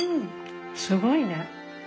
すごいね。